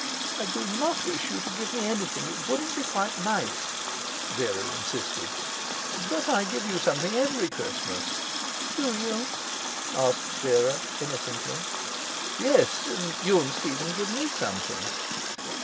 'I do not wish you to give me anything. It wouldn't be quite nice,' Vera insisted. 'But I give you something every Christmas.' 'Do you?' asked Vera, innocently. 'Yes, and you and Stephen give me something.'